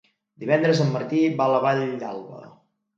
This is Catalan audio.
Divendres en Martí va a la Vall d'Alba.